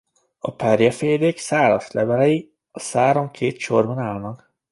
A perjefélék szálas levelei a száron két sorban állnak.